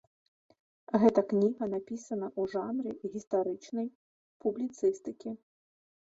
Гэта кніга напісана ў жанры гістарычнай публіцыстыкі.